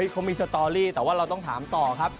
เขามีสตอรี่แต่ว่าเราต้องถามต่อครับ